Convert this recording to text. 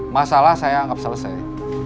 masalah saya anggap selesai